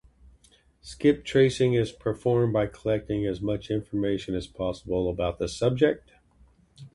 Skiptracing is performed by collecting as much information as possible about the subject.